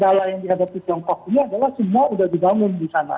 cuman kendala yang dihadapi tiongkok itu adalah semua udah dibangun di sana